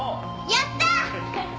やったー！